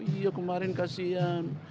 iya kemarin kasian